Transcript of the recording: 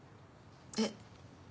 えっ？